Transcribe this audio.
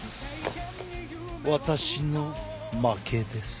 私の負けです。